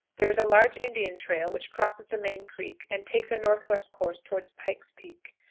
There is a large Indian trail which crosses the main creek, and takes a northwest course toward "Pike's Peak."